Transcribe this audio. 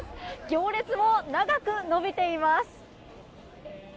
行列も長く延びています。